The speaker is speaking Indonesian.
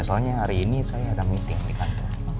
soalnya hari ini saya ada meeting di kantor